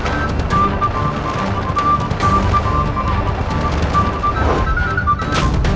mereka bakal kembali ke desa